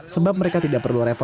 sebab mereka tidak perlu repot